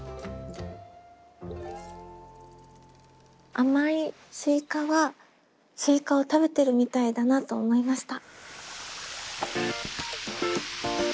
「甘いスイカ」はスイカを食べてるみたいだなと思いました。